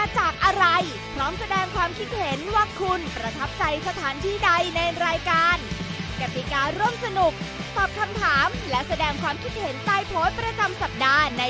กดไลค์กดแชร์แล้วตั้งค่าเป็นสาธารณะ